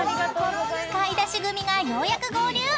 ［買い出し組がようやく合流］